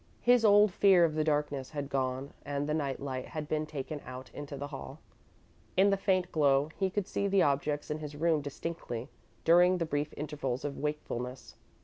His old fear of the darkness had gone and the night light had been taken out into the hall. In the faint glow, he could see the objects in his room distinctly, during the brief intervals of wakefulness.